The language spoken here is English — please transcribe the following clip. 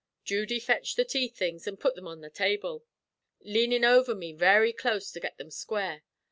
Judy fetched the tea things an' put thim on the table, leanin' over me very close to get them square.